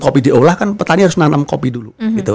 kopi diolah kan petani harus menanam kopi dulu